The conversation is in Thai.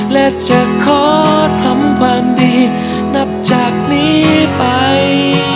และจะขอทำความดีนับจากนี้ไป